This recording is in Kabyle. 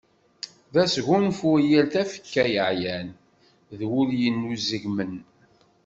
D asgunfu i yal tafekka yeɛyan, d wul yenuzegmen.